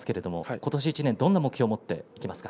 今年１年どんな目標を持っていきますか。